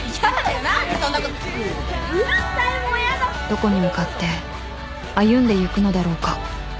［どこに向かって歩んでゆくのだろうか］